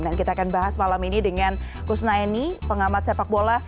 dan kita akan bahas malam ini dengan kusnaini pengamat sepak bola